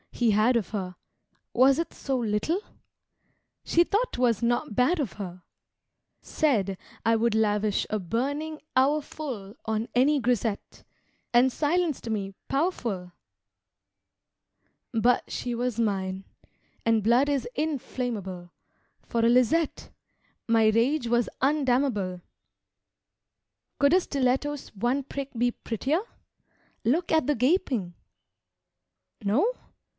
he had of her, Was it so little? She thought 'twas not bad of her, Said I would lavish a burning hour full On any grisette. And silenced me, powerful! But she was mine, and blood is inflammable For a Lisette! My rage was undammable.... Could a stiletto's one prick be prettier? Look at the gaping. No?